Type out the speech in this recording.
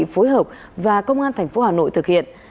phối hợp và công an tp hà nội thực hiện